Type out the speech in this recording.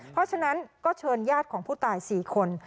เพราะฉะนั้นก็เชิญญาติของผู้ตาย๔คน